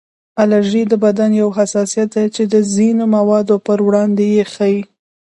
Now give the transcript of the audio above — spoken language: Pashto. الرژي د بدن یو حساسیت دی چې د ځینو موادو پر وړاندې یې ښیي